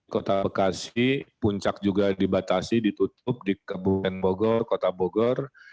kota bekasi puncak juga dibatasi ditutup di kebun bogor kota bogor